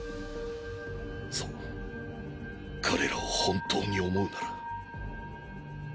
そう彼らを本当に思うなら